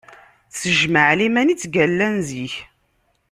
S jmaɛliman i ttgallan zik.